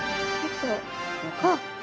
あっ！